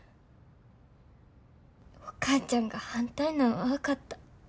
お母ちゃんが反対なんは分かった。